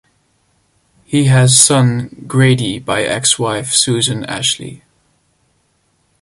He has son, Grady by ex-wife Susan Ashley.